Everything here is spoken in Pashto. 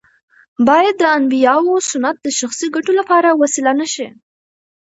باید د انبیاوو سنت د شخصي ګټو لپاره وسیله نه شي.